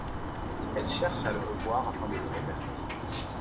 Elle cherche à le revoir afin de le remercier.